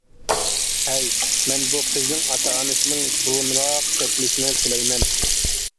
ھەي. مەن بۇ قىزنىڭ ئاتا-ئانىسىنىڭ بۇرۇنراق تېپىلىشىنى تىلەيمەن.